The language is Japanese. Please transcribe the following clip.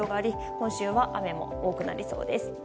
今週は雨も多くなりそうです。